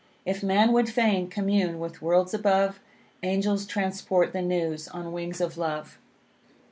If man would fain commune with worlds above, Angels transport the news on wings of love.